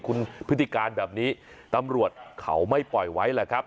คุณพฤติการแบบนี้ตำรวจเขาไม่ปล่อยไว้แหละครับ